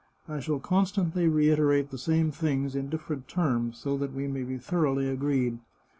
I shall constantly re iterate the same things in different terms, so that we may be thoroughly agreed.